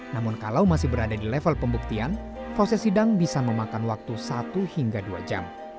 namun kalau masih berada di level pembuktian proses sidang bisa memakan waktu satu hingga dua jam